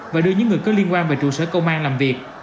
và đưa những người có liên quan về trụ sở công an làm việc